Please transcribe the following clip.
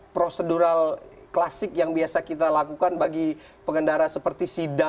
prosedural klasik yang biasa kita lakukan bagi pengendara seperti sida